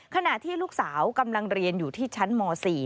ขณะที่ลูกสาวกำลังเรียนอยู่ที่ชั้นม๔